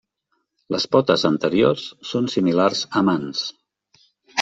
Les potes anteriors són similars a mans.